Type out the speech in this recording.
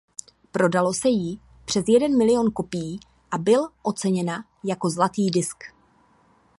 Prodalo se ji přes jeden milion kopií a byl oceněna jako zlatý disk.